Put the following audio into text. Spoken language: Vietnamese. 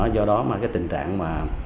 do đó mà cái tình trạng mà